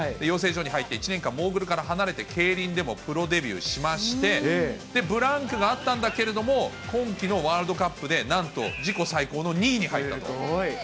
養成所に入って１年間、モーグルから離れて、競輪でもプロデビューしまして、ブランクがあったんだけれども、今季のワールドカップで、なんと自己最高の２位に入ったと。